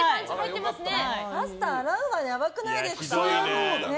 パスタ洗うはやばくないですか？